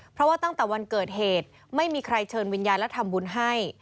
เพราะว่าตั้งแต่วันเกิดเหตุไม่มีใครเชิญวิญญาณและทำบุญให้